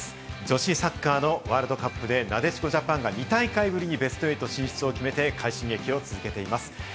女子サッカーのワールドカップで、なでしこジャパンが２大会ぶりにベスト８進出を決めて快進撃を続けています。